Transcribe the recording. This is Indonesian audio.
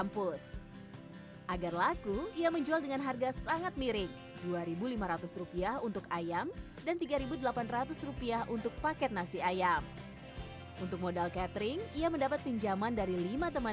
paling banyak penjualan per harinya berapa